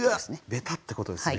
ベタってことですね。